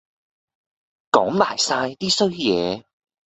講埋哂啲衰嘢